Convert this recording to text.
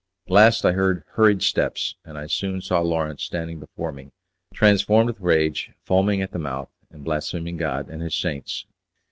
At last I heard hurried steps, and I soon saw Lawrence standing before me, transformed with rage, foaming at the mouth, and blaspheming God and His saints.